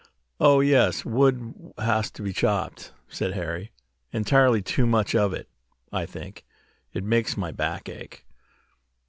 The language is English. "Oh, yes, wood has to be chopped," said Harry. "Entirely too much of it, I think. It makes my back ache."